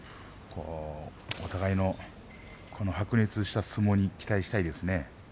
お互いの白熱した相撲に期待したいですね。